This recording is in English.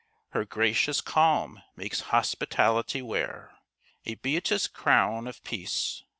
Her gracious calm makes hospitality wear A beauteous crown of peace.